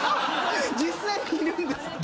実際にいるんですね。